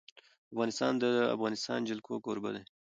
افغانستان د د افغانستان جلکو کوربه دی.